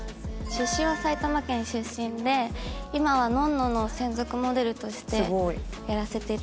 出身は埼玉県出身で今は『ｎｏｎ−ｎｏ』の専属モデルとしてやらせて頂いています。